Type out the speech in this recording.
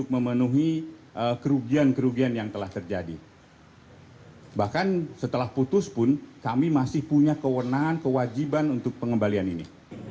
pernahan kewajiban untuk pengembalian ini